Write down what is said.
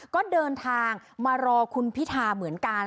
ก็เดินทางมารอคุณพิธาเหมือนกัน